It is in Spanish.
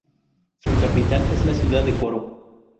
Su capital es la ciudad de Coro.